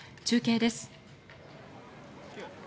中継です。